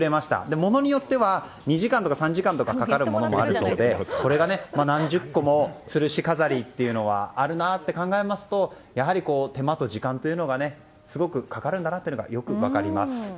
ものによっては２時間とか３時間かかるものもあるそうでこれが何十個もつるし飾りがあるなと思いますとやはり手間と時間というのがすごくかかるんだなというのがよく分かります。